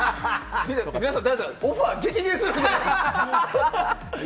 皆さん、オファー激減するんじゃないですか？